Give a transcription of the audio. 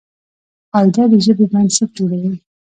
قاعده د ژبي بنسټ جوړوي.